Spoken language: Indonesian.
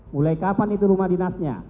mulai kapan itu rumah dinasnya